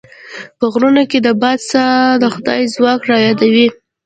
په غرونو کې د باد ساه د خدای ځواک رايادوي.